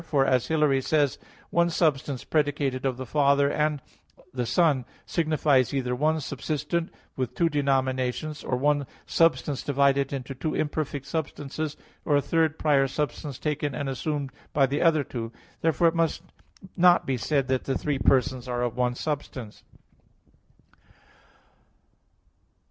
For, as Hilary says (De Synod.): "One substance predicated of the Father and the Son signifies either one subsistent, with two denominations; or one substance divided into two imperfect substances; or a third prior substance taken and assumed by the other two." Therefore it must not be said that the three persons are of one substance.